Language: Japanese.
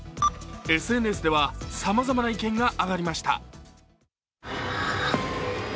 ＳＮＳではさまざまな意見が上がりました。